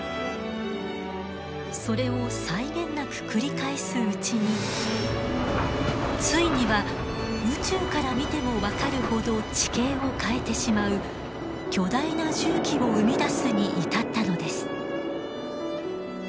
それを際限なく繰り返すうちについには宇宙から見ても分かるほど地形を変えてしまう巨大な重機を生み出すに至ったのです。